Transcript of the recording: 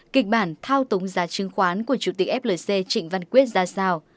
kịch bản thao túng giá chứng khoán của chủ tịch flc trịnh văn quyết ra sao